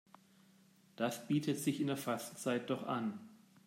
Das bietet sich in der Fastenzeit doch an.